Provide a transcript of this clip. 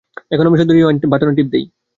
এখন আমি শুধু রিওয়াইন্ড বাটনে টিপ দেই।